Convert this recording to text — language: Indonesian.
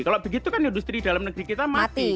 kalau begitu kan industri dalam negeri kita mati